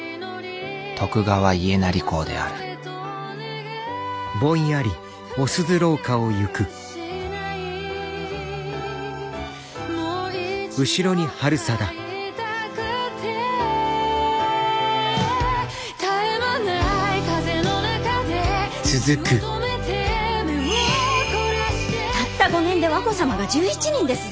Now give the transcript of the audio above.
徳川家斉公であるたった５年で和子様が１１人ですぞ！